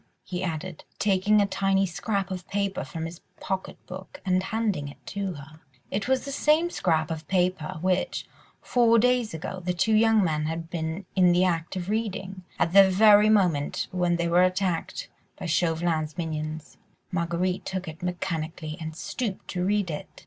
he added, taking a tiny scrap of paper from his pocket book and handing it to her. It was the same scrap of paper which, four days ago, the two young men had been in the act of reading, at the very moment when they were attacked by Chauvelin's minions. Marguerite took it mechanically and stooped to read it.